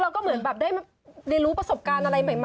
เราก็เหมือนแบบได้เรียนรู้ประสบการณ์อะไรใหม่